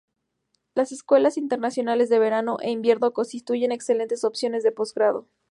Las Escuelas Internacionales de Verano e Invierno constituyen excelentes opciones de posgrado.